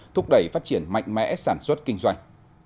thúc đẩy phát triển mạnh mẽ sản xuất kinh doanh